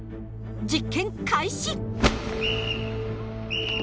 実験開始！